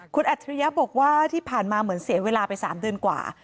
คุณอัฐรยะบอกว่าที่ผ่านมาเสียเวลาไป๓เดือนกว่า